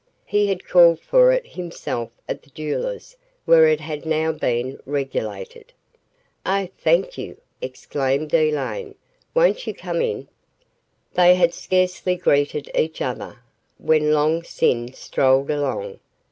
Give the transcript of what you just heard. He had called for it himself at the jeweller's where it had now been regulated. "Oh, thank you," exclaimed Elaine. "Won't you come in?" They had scarcely greeted each other, when Long Sin strolled along.